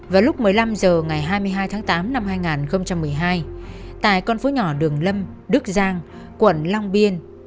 vào lúc một mươi năm h ngày hai mươi hai tháng tám năm hai nghìn một mươi hai tại con phố nhỏ đường lâm đức giang quận long biên